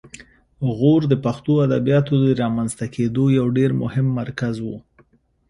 غور د پښتو ادبیاتو د رامنځته کیدو یو ډېر مهم مرکز و